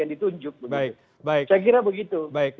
saya kira begitu